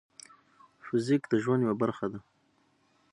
فزیک د ژوند یوه برخه ده.